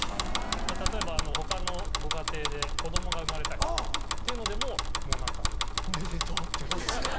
例えば他のご家庭で子供が生まれたりっていうのでももう何か「おめでとう」って言って。